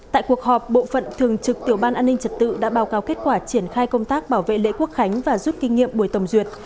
tại cuộc họp bộ phận thường trực tiểu ban an ninh trật tự đã báo cáo kết quả triển khai công tác bảo vệ lễ quốc khánh và rút kinh nghiệm buổi tổng duyệt